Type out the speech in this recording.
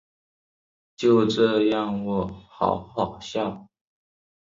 就这样喔好好笑